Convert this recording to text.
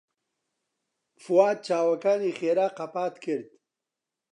فواد چاوەکانی خێرا قەپات کرد.